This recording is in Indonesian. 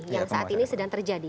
yang saat ini sedang terjadi